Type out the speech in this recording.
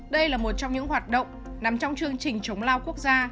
đây là một trong những hoạt động nằm trong chương trình chống lao quốc gia